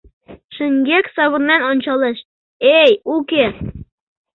Шеҥгек савырнен ончалеш: эй, уке